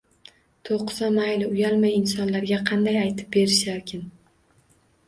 To‘qisa mayli, uyalmay insonlarga qanday aytib berisharkin?